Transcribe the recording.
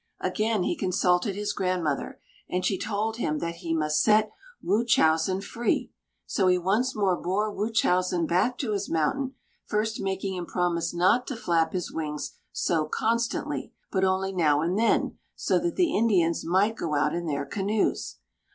Again he consulted his grandmother, and she told him that he must set Wūchowsen free. So he once more bore Wūchowsen back to his mountain, first making him promise not to flap his wings so constantly, but only now and then, so that the Indians might go out in their canoes.